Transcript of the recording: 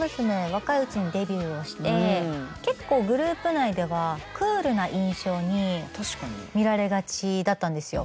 若いうちにデビューをして結構グループ内ではクールな印象に見られがちだったんですよ。